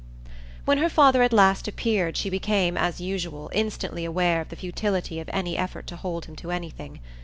When her father at last appeared she became, as usual, instantly aware of the futility of any effort to hold him to anything.